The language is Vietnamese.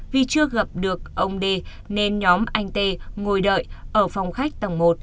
vì chưa gặp được ông đê nên nhóm anh tê ngồi đợi ở phòng khách tầng một